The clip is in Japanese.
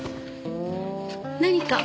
何か？